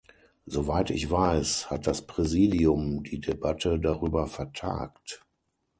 Soweit ich weiß, hat das Präsidium die Debatte darüber vertagt.